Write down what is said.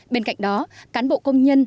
bên cạnh đó cán bộ công nhân